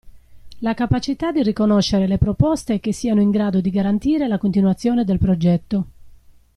La capacità di riconoscere le proposte che siano in grado di garantire la continuazione del progetto.